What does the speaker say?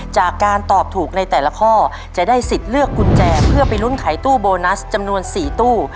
จากการตอบถูกในแต่ละข้อจะได้สิทธิ์เลือกกุญแจเพื่อไปลุ้นไขตู้โบนัสจำนวน๔ตู้